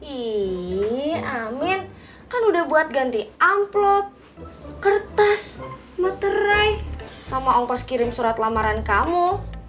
ini amin kan udah buat ganti amplop kertas materai sama ongkos kirim surat lamaran kamu